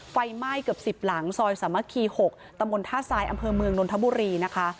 ไฟไหม้เกือบ๑๐หลังซอยสามัคคี๖ตำบลท่าทรายอำเภอเมืองนนทบุรีนะคะ